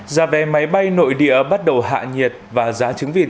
giả vẻ máy bay nội địa bắt đầu hạ nhiệt và giá trứng việt